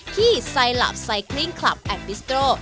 ที่ไซลับไซคลิ้งคลับแอดมิสโตร